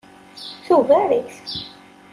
Tugar-it.